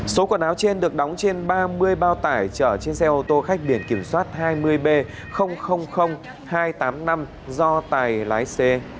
số quần áo trên được đóng trên ba mươi bao tải chở trên xe ô tô khách biển kiểm soát hai mươi b hai trăm tám mươi năm do tài lái xe